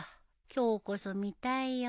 今日こそ見たいよ。